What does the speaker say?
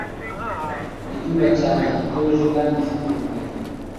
Icyumba cyanjye gituje kandi gifite urugwiro